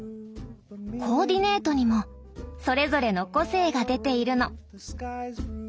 コーディネートにもそれぞれの個性が出ているの。